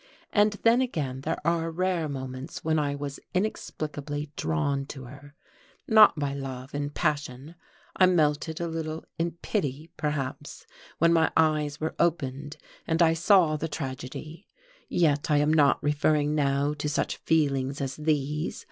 And then again there were rare moments when I was inexplicably drawn to her, not by love and passion; I melted a little in pity, perhaps, when my eyes were opened and I saw the tragedy, yet I am not referring now to such feelings as these.